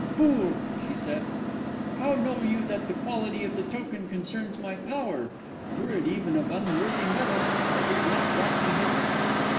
"Fool!" she said, "how know you that the quality of the token concerns my power? Were it even of unworthy metal, has it not brought me hither?"